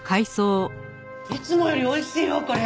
いつもより美味しいよこれ。